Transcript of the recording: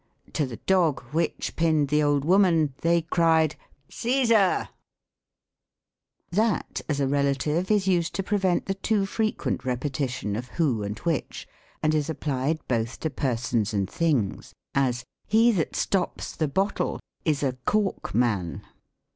To the dog which pinned the old woman, they cried, ' Ccesar !'" That, as a relative, is used to prevent the too frequent repetition of loho and which, and is applied both to per sons and things ; as, He that stops the bottle is a Cork man."